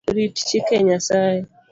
Rit chike Nyasaye